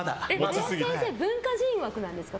林先生、文化人枠なんですか？